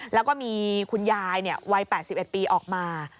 แล้วก็มีคุณยายวัย๘๑ปีออกมา